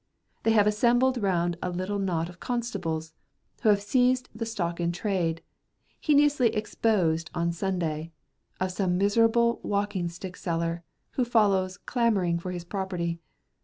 They have assembled round a little knot of constables, who have seized the stock in trade, heinously exposed on Sunday, of some miserable walking stick seller, who follows clamouring for his property.